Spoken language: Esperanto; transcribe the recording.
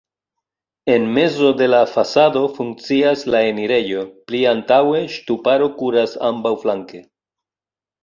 En mezo de la fasado funkcias la enirejo, pli antaŭe ŝtuparo kuras ambaŭflanke.